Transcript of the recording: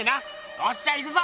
おっしゃいくぞ！